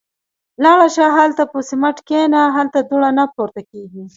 – لاړه شه. هالته پر سمڼت کېنه. هلته دوړه نه پورته کېږي.